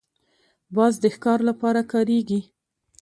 باز د ښکار لپاره کارېږي